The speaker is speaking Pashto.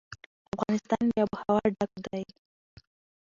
افغانستان له آب وهوا ډک دی.